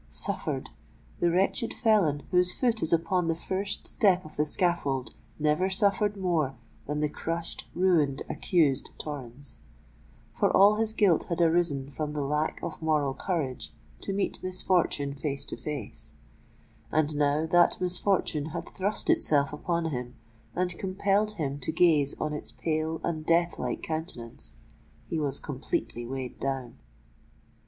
Suffered!—the wretched felon whose foot is upon the first step of the scaffold, never suffered more than the crushed, ruined, accused Torrens;—for all his guilt had arisen from the lack of moral courage to meet misfortune face to face; and now that misfortune had thrust itself upon him, and compelled him to gaze on its pale and death like countenance, he was completely weighed down.